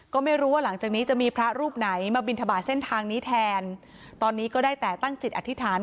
ก็ไม่รู้ว่าหลังจากนี้จะมีพระรูปไหนมาบินทบาทเส้นทางนี้แทนตอนนี้ก็ได้แต่ตั้งจิตอธิษฐาน